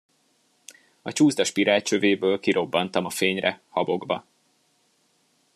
A csúszda spirálcsövéből kirobbantam a fényre, habokba.